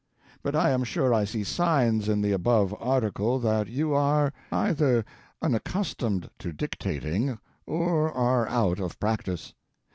But I am sure I see signs in the above article that you are either unaccustomed to dictating or are out of practice.